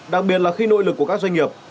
đặc biệt là khi nội lực của các doanh nghiệp